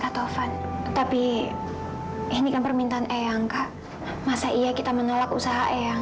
katovan tapi ini kan permintaan eyang kak masa iya kita menolak usaha eyang